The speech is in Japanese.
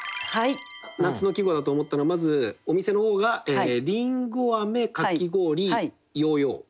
夏の季語だと思ったのはまずお店の方がりんごあめかき氷ヨーヨー。